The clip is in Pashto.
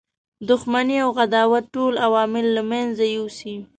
دښمنی او عداوت ټول عوامل له منځه یوسي.